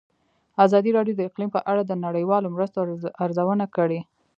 ازادي راډیو د اقلیم په اړه د نړیوالو مرستو ارزونه کړې.